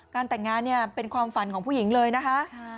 แต่งงานเนี่ยเป็นความฝันของผู้หญิงเลยนะคะ